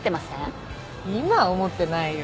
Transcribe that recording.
今は思ってないよ。